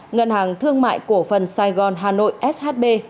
ngân hàng thương mại cổ phần sài gòn hà nội shb